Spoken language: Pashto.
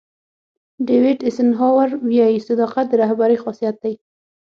ډیوېټ ایسنهاور وایي صداقت د رهبرۍ خاصیت دی.